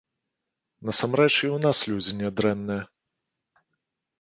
Насамрэч, і ў нас людзі нядрэнныя.